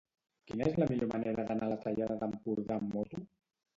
Quina és la millor manera d'anar a la Tallada d'Empordà amb moto?